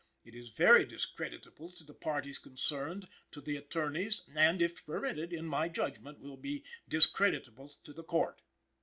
It is very discreditable to the parties concerned, to the attorneys, and, if permitted, in my judgment will be discreditable to the Court."